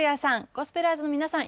ゴスペラーズの皆さん